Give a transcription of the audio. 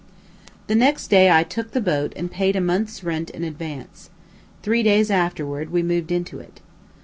The next day I "took" the boat and paid a month's rent in advance. Three days afterward we moved into it.